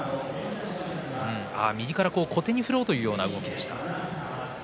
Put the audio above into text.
右から小手に振ろうというような動きでしたね。